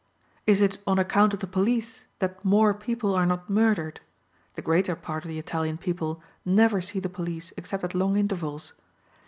Is it on account of the police that more people are not murdered? The greater part of the Italian people never see the police except at long intervals.